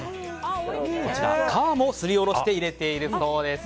こちら、皮もすりおろして入れているそうです。